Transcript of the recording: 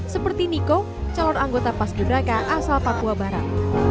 seperti niko calon anggota paski braka asal papua barat